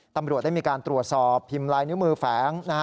ตำรวจได้มีการตรวจสอบพิมพ์ลายนิ้วมือแฝง